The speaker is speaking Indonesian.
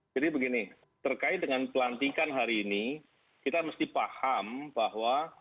begini terkait dengan pelantikan hari ini kita mesti paham bahwa